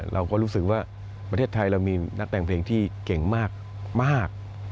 เราก็รู้สึกว่าประเทศไทยเรามีนักแต่งเพลงที่เก่งมาก